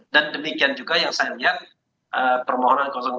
dan demikian juga yang saya lihat permohonan tiga